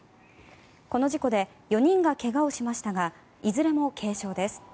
この事故で４人が怪我をしましたがいずれも軽傷です。